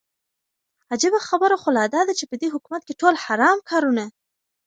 عجيبه خبره خو لا داده چې په دې حكومت كې ټول حرام كارونه